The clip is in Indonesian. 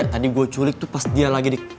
tadi gue culik tuh pas dia lagi di